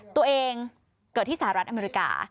ตัวเองเกิดที่สหรัฐอเมริกา